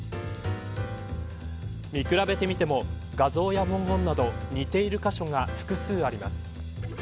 見比べてみても画像や文言など似ている箇所が複数あります。